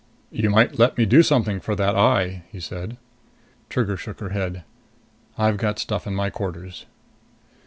"You might let me do something for that eye," he said. Trigger shook her head. "I've got stuff in my quarters."